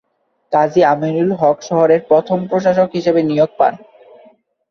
কাজী আমিনুল হক শহরের প্রথম প্রশাসক হিসেবে নিয়োগ পান।